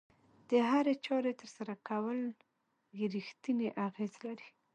د هرې چارې ترسره کول يې رېښتینی اغېز لري.